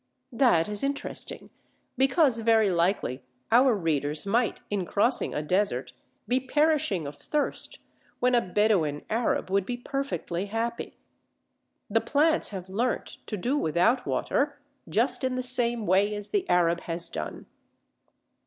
That is interesting, because very likely our readers might in crossing a desert be perishing of thirst when a Bedouin Arab would be perfectly happy. The plants have learnt to do without water just in the same way as the Arab has done.